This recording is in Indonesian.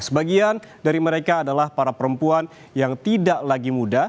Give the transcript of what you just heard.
sebagian dari mereka adalah para perempuan yang tidak lagi muda